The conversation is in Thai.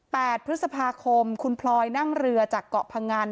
พฤษภาคมคุณพลอยนั่งเรือจากเกาะพงัน